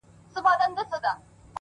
• چي مرور نه یم ـ چي در پُخلا سم تاته ـ